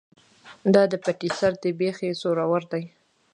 ـ دا دې پټي سر دى ،بېخ يې سورور دى.